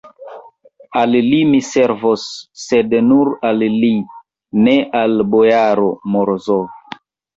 Al li mi servos, sed nur al li, ne al bojaro Morozov.